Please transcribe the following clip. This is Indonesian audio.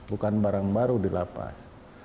bukan barang baru dilapas